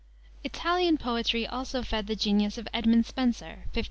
Italian poetry also fed the genius of Edmund Spenser (1552 99).